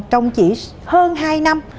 trong chỉ hơn hai năm